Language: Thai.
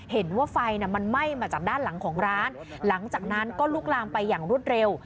เห็นว่าไฟมันไหม้มาจากด้านหลังของร้านหลังจากนั้นก็ลุกลามไปอย่างรวดเร็ว